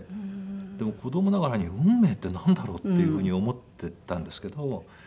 でも子供ながらに運命ってなんだろう？っていうふうに思っていたんですけど。